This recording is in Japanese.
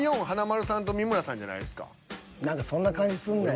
何かそんな感じするねん。